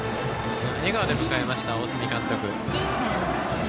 笑顔で迎えました、大角監督。